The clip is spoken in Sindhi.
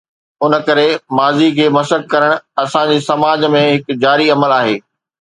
ان ڪري ماضيءَ کي مسخ ڪرڻ اسان جي سماج ۾ هڪ جاري عمل آهي.